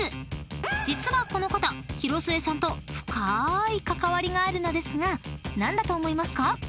［実はこの方広末さんと深ーい関わりがあるのですが何だと思いますか？］